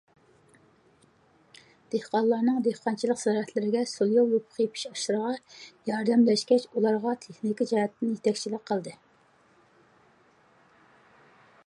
دېھقانلارنىڭ دېھقانچىلىق زىرائەتلىرىگە سولياۋ يوپۇق يېپىش ئىشلىرىغا ياردەملەشكەچ، ئۇلارغا تېخنىكا جەھەتتىن يېتەكچىلىك قىلدى.